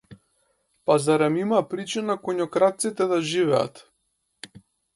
Па зарем има причина коњокрадците да живеат?